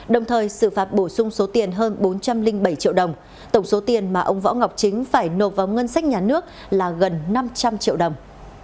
đồng thời xử phạt bổ sung số tiền hơn bốn trăm linh bảy triệu đồng tổng số tiền mà ông võ ngọc chính phải nộp vào ngân sách nhà nước là gần năm trăm linh triệu đồng